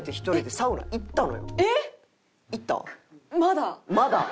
まだ？